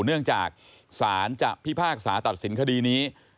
เนื่องจากศาลจะพิพากษาตัดสินคดีนี้